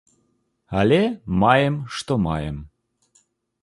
Але маем, што маем.